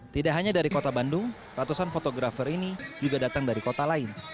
tidak hanya dari kota bandung ratusan fotografer ini juga datang dari kota lain